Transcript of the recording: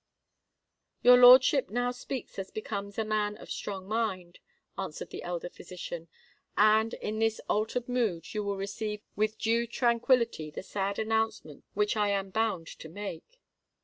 "Your lordship now speaks as becomes a man of strong mind," answered the elder physician; "and in this altered mood you will receive with due tranquillity the sad announcement which I am bound to make."